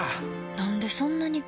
なんでそんなに